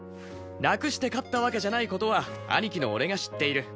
楽して勝ったわけじゃない事は兄貴の俺が知っている。